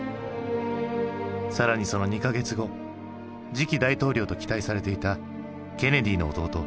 更にその２か月後次期大統領と期待されていたケネディの弟